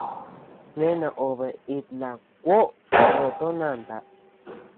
Sne naobe it laʼa kuoʼo no toʼo nanta.